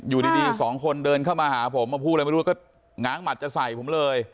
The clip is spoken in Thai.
อยู่ดีสองคนเดินเข้ามาหาผมมาพูดอะไรไม่รู้ก็ง้างหมัดจะใส่ผมเลย